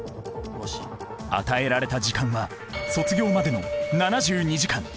与えられた時間は卒業までの７２時間。